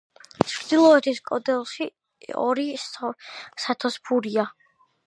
ჩრდილოეთის კედელში ორი სათოფურია.